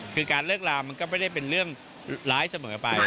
คือการเลิกลามันก็ไม่ได้เป็นเรื่องร้ายเสมอไป